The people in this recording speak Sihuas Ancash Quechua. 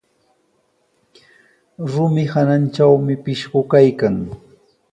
Rumi hanantrawmi pishqu kaykan.